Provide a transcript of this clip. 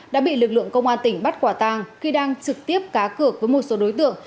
đã bị lực lượng công an tỉnh bắt quả tàng khi đang trực tiếp cá cược với một số đối tượng